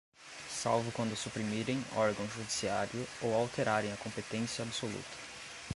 salvo quando suprimirem órgão judiciário ou alterarem a competência absoluta.